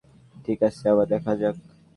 ঠিক আছে, আবার দেখা যাক।